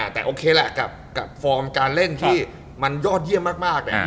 แต่โอเคแหละกับฟอร์มการเล่นที่มันยอดเยี่ยมมาก